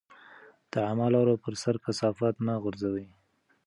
د عامه لارو پر سر کثافات مه غورځوئ.